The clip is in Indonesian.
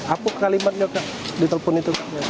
apu kalimatnya kak di telpon itu